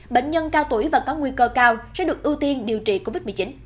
bệnh nhân cao tuổi và có nguy cơ cao sẽ được ưu tiên điều trị covid một mươi chín